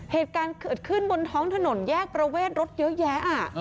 เหตุการณ์เกิดขึ้นบนท้องถนนแยกประเวทรถเยอะแยะ